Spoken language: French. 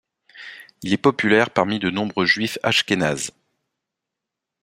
Il est populaire parmi de nombreux Juifs ashkénazes.